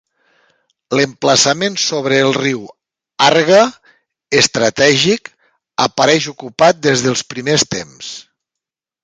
L'emplaçament sobre el riu Arga, estratègic, apareix ocupat des dels primers temps.